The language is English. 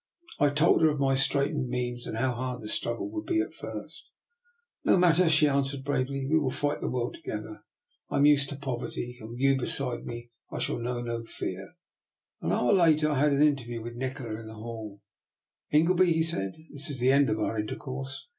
I told her of my straitened means and how hard the struggle would be at first. " No matter," she answered bravely, " we will fight the world together. I am used to poverty, and with you beside me I shall know no fear." An hour later I had an interview with Nikola in the hall. " Ingleby," he said, " this is the end of our intercourse.